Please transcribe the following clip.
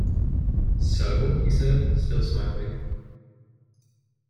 “So?” he said, still smiling.